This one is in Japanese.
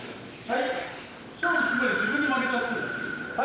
はい！